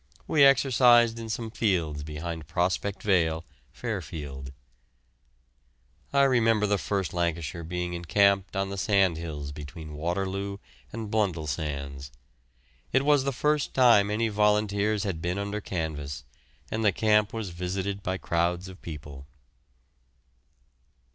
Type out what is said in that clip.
We exercised in some fields behind Prospect Vale, Fairfield. I remember the 1st Lancashire being encamped on the sandhills between Waterloo and Blundellsands. It was the first time any volunteers had been under canvas, and the camp was visited by crowds of people.